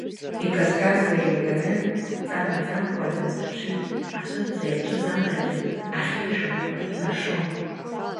Иказ-казуа еилганы, ҵа амаӡамкәа дынҭаԥшит, ацәырҵра иаҿыз амрагьы ахьтәы шәахәақәа ҭнаршон.